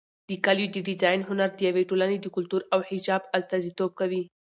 د کالیو د ډیزاین هنر د یوې ټولنې د کلتور او حجاب استازیتوب کوي.